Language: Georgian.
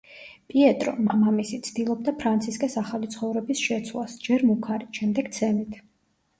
პიეტრო, მამამისი, ცდილობდა ფრანცისკეს ახალი ცხოვრების შეცვლას, ჯერ მუქარით, შემდეგ ცემით.